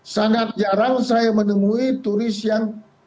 sangat jarang saya menemui turis yang